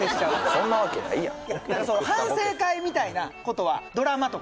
そんなわけないやんみたいなことは？